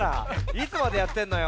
いつまでやってんのよ。